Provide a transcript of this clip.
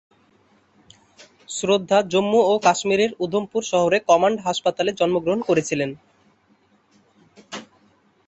শ্রদ্ধা জম্মু ও কাশ্মীরের উধমপুর শহরে কমান্ড হাসপাতালে জন্মগ্রহণ করেছিলেন।